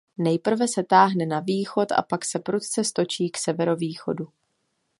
Nejprve se táhne na východ a pak se prudce stočí k severovýchodu.